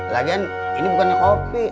lagian ini bukannya kopi